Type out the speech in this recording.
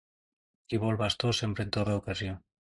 Qui vol bastó sempre en troba ocasió.